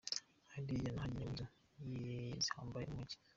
Hari n’ahagenewe inzu zihambaye zo mu mujyi.